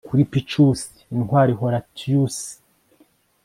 Kuri Picus intwari Horatius